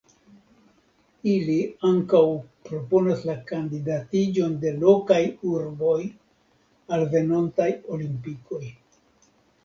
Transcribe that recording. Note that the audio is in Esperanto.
Ili ankaŭ proponas la kandidatiĝon de lokaj urboj al venontaj Olimpikoj.